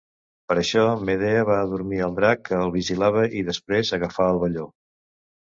Per això, Medea va adormir el drac que el vigilava i, després, agafà el velló.